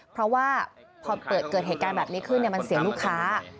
เพราะว่าพอเกิดเหตุการณ์แบบนี้ขึ้นมันเสียลูกค้า